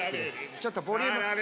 ちょっとボリューム。